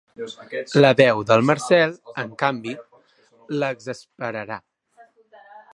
La veu del Marcel, en canvi, l'exasperarà.